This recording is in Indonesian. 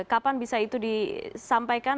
kapan bisa itu disampaikan